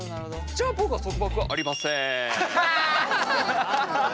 じゃあ僕は束縛はありません！